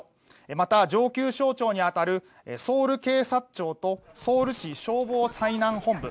また上級省庁に当たるソウル警察庁とソウル市消防災難本部